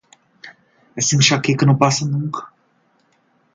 Essa enxaqueca não passa nunca.